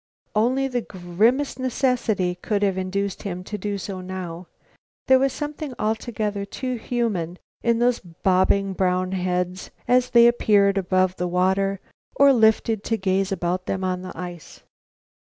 Only the grimmest necessity could have induced him to do so now. There was something altogether too human in those bobbing brown heads as they appeared above the water or lifted to gaze about them on the ice.